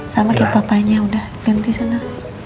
sama kayak papanya yang udah ganti sana